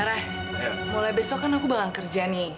arah mulai besok kan aku bakal kerja nih